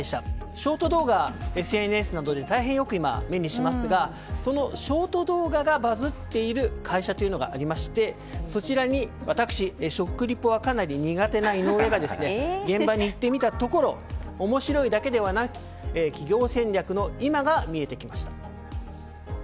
ショート動画、ＳＮＳなどで大変よく目にしますがそのショート動画がバズっている会社がありましてそちらに私食リポはかなり苦手な井上が現場に行ってみたところ面白いだけではなく企業戦略の今が見えてきました。